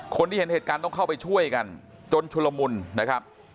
คนที่เห็นเหตุการณ์ต้องเข้าไปช่วยกันจนชุลมุนนะครับ